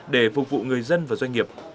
để phục vụ người dân và doanh nghiệp